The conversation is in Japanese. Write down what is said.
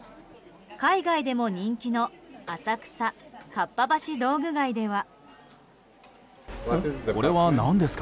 海外でも人気の浅草・かっぱ橋道具街では。